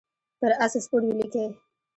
پر آس سپور ولیکئ.